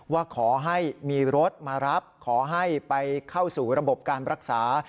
ว่าขอให้มีรถมารับขอให้ไปเข้าสู่ระบบการรักษา